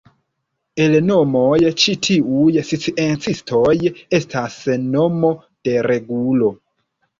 El nomoj ĉi tiuj sciencistoj estas nomo de regulo.